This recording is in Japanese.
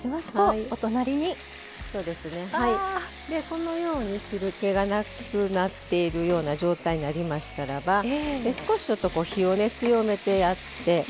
このように汁けがなくなっているような状態になりましたらば少しちょっと火を強めてやって。